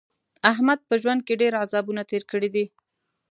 احمد په ژوند کې ډېر عذابونه تېر کړي دي.